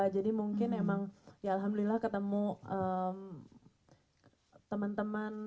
jadi mungkin emang ya alhamdulillah ketemu teman teman orang lain